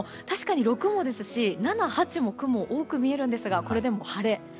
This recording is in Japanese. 確かに６もですし７、８も雲が多く見えるんですがこれでも晴れ。